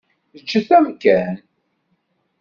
Ǧǧet amkan.